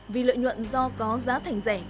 vì lợi nhuận do có giá thành rẻ